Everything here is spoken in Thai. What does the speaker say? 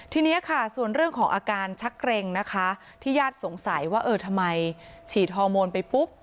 ทีนี้ค่ะส่วนเรื่องของอาการชักเกร็งนะคะที่ญาติสงสัยว่าเออทำไมฉีดฮอร์โมนไปปุ๊บ